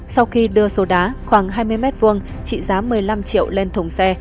sau khi đưa số đá khoảng hai mươi m hai trị giá một mươi năm triệu lên thùng xe